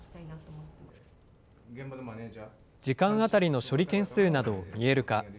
時間当たりの処理件数などを見える化。